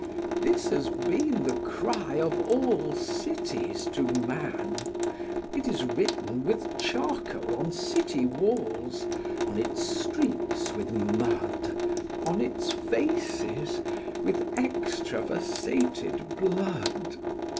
This has been the cry of all cities to man; it is written with charcoal on city walls, on its streets with mud, on its faces with extravasated blood.